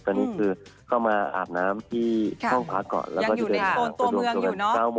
ตอนนี้คือเข้ามาอาบน้ำที่ห้องขวาเกาะ